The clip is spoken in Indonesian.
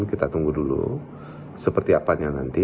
kita tunggu dulu seperti apanya nanti